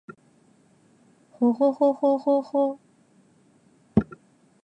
ほほほほほっ h